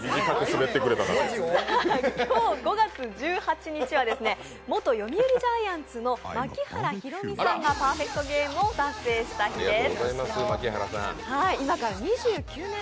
今日５月１８日は元読売ジャイアンツの槙原寛己さんがパーフェクトゲームを達成した日です。